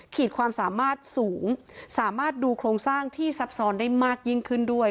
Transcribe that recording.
ขีดความสามารถสูงสามารถดูโครงสร้างที่ซับซ้อนได้มากยิ่งขึ้นด้วย